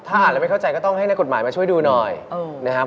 ถ้าอ่านแล้วไม่เข้าใจก็ต้องให้นักกฎหมายมาช่วยดูหน่อยนะครับ